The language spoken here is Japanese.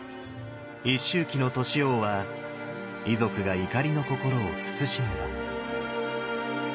一周忌の都市王は遺族が怒りの心を慎めば。